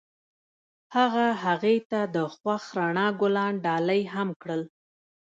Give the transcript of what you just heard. هغه هغې ته د خوښ رڼا ګلان ډالۍ هم کړل.